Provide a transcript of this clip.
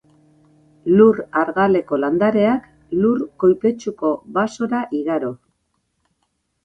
Lur argaleko landareak lur koipetsuko basora igaro.